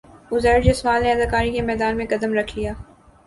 عزیر جسوال نے اداکاری کے میدان میں قدم رکھ لیا